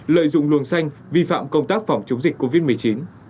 lợi dụng luồng xanh vi phạm công tác phòng chống dịch covid một mươi chín